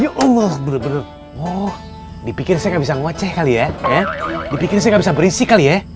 ya allah bener bener oh dipikir saya gak bisa ngoceh kali ya ya dipikir saya gak bisa berisik kali ya